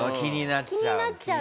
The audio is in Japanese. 気になっちゃう。